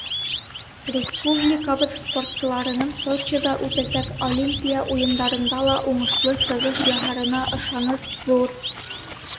Республикабыҙ спортсыларының Сочиҙа үтәсәк Олимпия уйындарында ла уңышлы сығыш яһарына ышаныс ҙур.